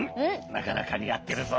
なかなかにあってるぞ。